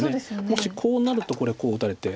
もしこうなるとこれこう打たれて。